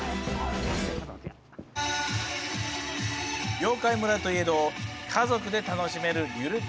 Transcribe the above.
妖怪村といえど家族で楽しめるゆるかわスポット。